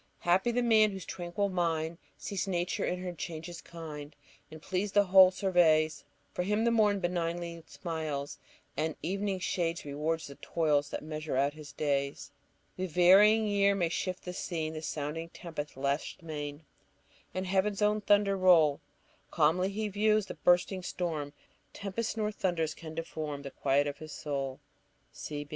"Happy the man whose tranquil mind Sees Nature in her changes kind, And pleased the whole surveys; For him the morn benignly smiles, And evening shades reward the toils That measure out his days. The varying year may shift the scene, The sounding tempest lash the main, And heaven's own thunder roll; Calmly he views the bursting storm, Tempests nor thunders can deform The quiet of his soul."